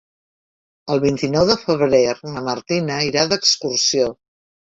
El vint-i-nou de febrer na Martina irà d'excursió.